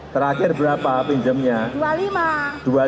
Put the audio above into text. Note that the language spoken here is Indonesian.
terakhir berapa pinjemnya